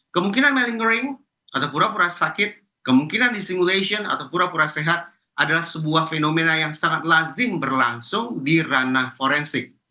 kemungkinan malingering atau pura pura sakit kemungkinan di simulation atau pura pura sehat adalah sebuah fenomena yang sangat lazim berlangsung di ranah forensik